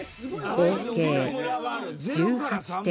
合計１８点